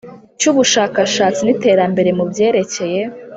cy Ubushakashatsi n Iterambere mu byerekeye